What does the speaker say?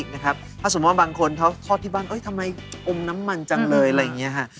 สมมตินะครับถ้าสมมติบางคนเค้าทอดที่บ้านอุ๊ยทำไมอมน้ำมันจังเลยอะไรอย่างเงี้ยฮะ